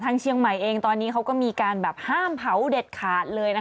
ทางเชียงใหม่เองตอนนี้เขาก็มีการห้ามเผาเด็ดขาดเลย